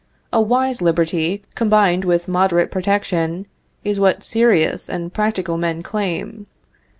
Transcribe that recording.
A wise liberty, combined with moderate protection, is what serious and practical men claim.